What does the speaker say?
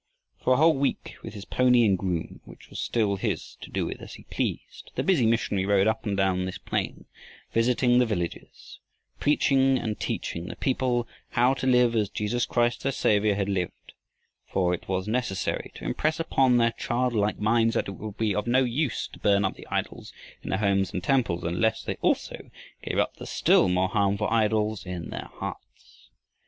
For a whole week with his pony and groom, which were still his to do with as he pleased, the busy missionary rode up and down this plain, visiting the villages, preaching, and teaching the people how to live as Jesus Christ their Savior had lived; for it was necessary to impress upon their childlike minds that it would be of no use to burn up the idols in their homes and temple unless they also gave up the still more harmful idols in their hearts.